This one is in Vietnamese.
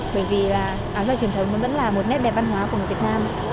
bởi vì áo dài truyền thống vẫn là một nét đẹp văn hóa của việt nam